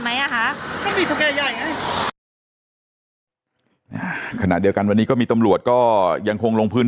หยุดหนองอยู่แนบพี่ไข่แล้วอยู่ตรงนั้น